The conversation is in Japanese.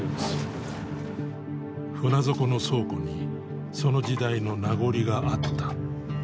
船底の倉庫にその時代の名残があった。